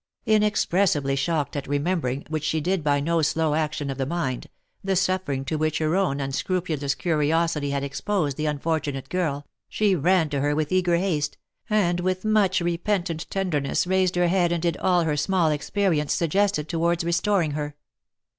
Inexpressibly shocked at remembering, which she did by no slow action of the mind, the suffering to which her own unscrupulous curi osity had exposed the unfortunate girl, she ran to her with eager haste, and with much repentant tenderness raised her head and did all her small experience suggested towards restoring her.